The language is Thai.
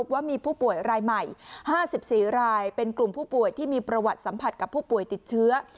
ว่ามีผู้ป่วยรายใหม่๕๔รายเป็นกลุ่มผู้ป่วยที่มีประวัติสัมผัสกับผู้ป่วยติดเชื้อ